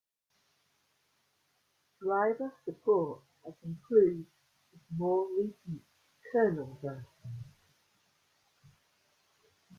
Driver support has improved with more recent kernel versions.